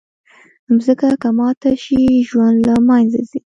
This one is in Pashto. مځکه که ماته شي، ژوند له منځه ځي.